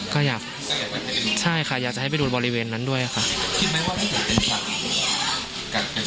ก็อยากใช่ค่ะอยากจะให้ไปดูบริเวณนั้นด้วยนะคะ